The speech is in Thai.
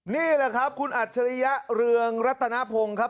นี่แหละครับคุณอัจฉริยะเรืองรัตนพงศ์ครับ